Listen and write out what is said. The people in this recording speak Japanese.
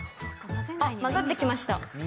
あっ、混ざってきました。